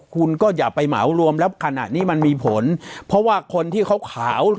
คุณก็อย่าไปเหมารวมแล้วขณะนี้มันมีผลเพราะว่าคนที่เขาขาว